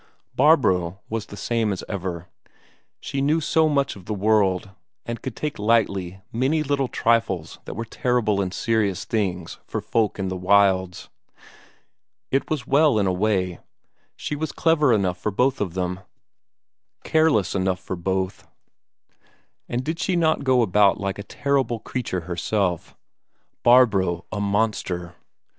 Barbro was the same as ever. She knew so much of the world, and could take lightly many little trifles that were terrible and serious things for folk in the wilds. It was well in a way; she was clever enough for both of them, careless enough for both. And she did not go about like a terrible creature herself. Barbro a monster?